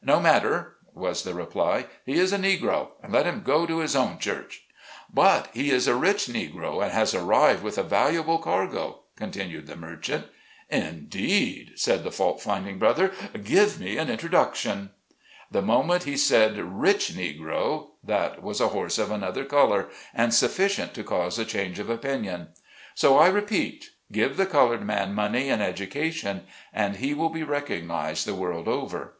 " No matter," was the reply, "he is a Negro, and let him go to his own church." "But he is a rich Negro, and has arrived with a valuable cargo," continued the merchant. "Indeed," said the fault finding brother; "give me an introduc tion." The moment he said rich Negro that was a horse of another color, and sufficient to cause a change of opinion. So I repeat, give the colored man money and education and he will be recognized the world over.